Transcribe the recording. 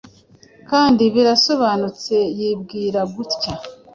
kandi birasobanutse yibwira gutya